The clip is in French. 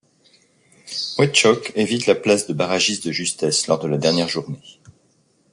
Westhoek évite la place de barragiste de justesse lors de la dernière journée.